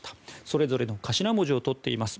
それぞれの頭文字をとっています。